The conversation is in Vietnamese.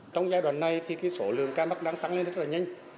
trong giai đoạn này thì số lượng ca mắc đang tăng lên rất là nhanh